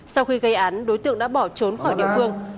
sau khi gây án đối tượng đã bỏ trốn khỏi địa phương